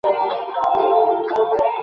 বিহারী কহিল, কোথায় যাইবেন, একটু গল্প করুন।